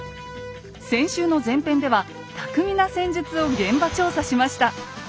先週の前編では巧みな戦術を現場調査しました。